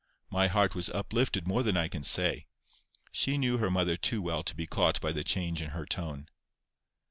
My heart was uplifted more than I can say.—She knew her mother too well to be caught by the change in her tone.